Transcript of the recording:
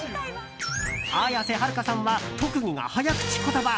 綾瀬はるかさんが特技が早口言葉。